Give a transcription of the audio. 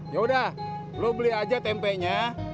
yaudah lo beli aja tempenya